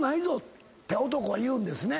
男は言うんですね。